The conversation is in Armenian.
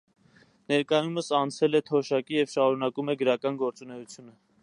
Ներկայումս անցել է թոշակի և շարունակում է գրական գործունեությունը։